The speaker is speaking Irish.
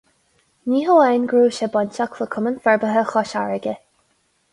Ní hamháin go raibh sé bainteach le Cumann Forbartha Chois Fharraige.